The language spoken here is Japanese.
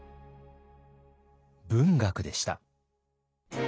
文学でした。